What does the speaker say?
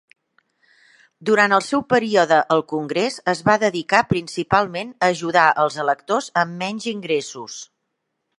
Durant el seu període al congrés, es va dedicar principalment a ajudar als electors amb menys ingressos.